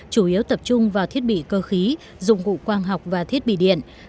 chủ yếu tập trung vào thiết bị cơ khí dụng cụ quang học và thiết bị điện